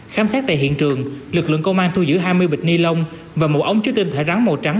khám xét tại hiện trường lực lượng công an thu giữ hai mươi bịch ni lông và một ống chứa tinh thể rắn màu trắng